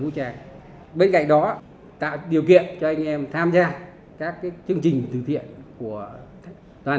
đảm bảo hữu trang bên cạnh đó tạo điều kiện cho anh em tham gia các chương trình thực hiện của toàn